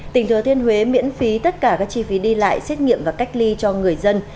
tỉnh thừa thiên huế miễn phí tất cả các chi phí đi lại xét nghiệm và cách ly cho người dân